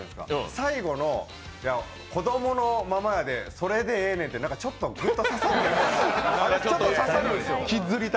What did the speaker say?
最後の子供のままやで、それでええねんって、ちょっとぎょっとさせられる。